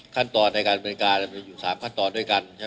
ขั้นตอนในการบริการมีอยู่๓ขั้นตอนด้วยกันใช่ไหม